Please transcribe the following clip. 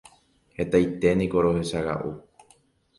hetaiténiko rohechaga'u